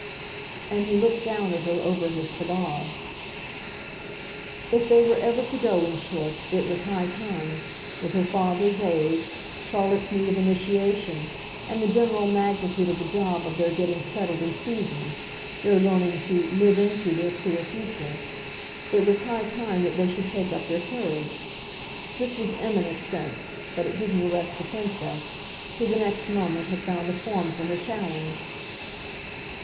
And he looked down at her over his cigar. If they were ever to go, in short, it was high time, with her father's age, Charlotte's need of initiation, and the general magnitude of the job of their getting settled and seasoned, their learning to "live into" their queer future it was high time that they should take up their courage. This was eminent sense, but it didn't arrest the Princess, who, the next moment, had found a form for her challenge.